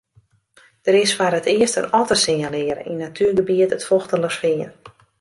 Der is foar it earst in otter sinjalearre yn natuergebiet it Fochtelerfean.